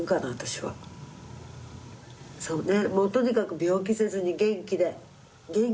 そうね。